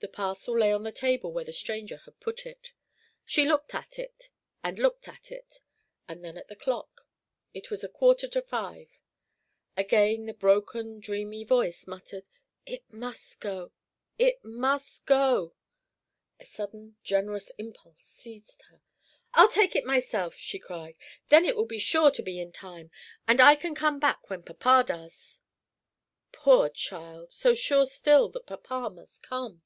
The parcel lay on the table where the stranger had put it. She looked at it, and looked at it, and then at the clock. It was a quarter to five. Again the broken, dreamy voice muttered: "It must go, it must go." A sudden, generous impulse seized her. "I'll take it myself!" she cried. "Then it will be sure to be in time. And I can come back when papa does." Poor child, so sure still that papa must come!